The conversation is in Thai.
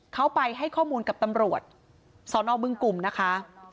เขาไปให้ข้อมูลกับตำรวจสอนอบึงกลุ่มนะคะ